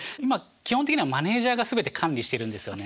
基本的にはマネージャーが全て管理してるんですよね。